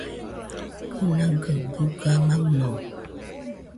Kɨnaigaɨ dɨga maɨno.